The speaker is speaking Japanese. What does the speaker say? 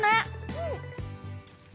うん。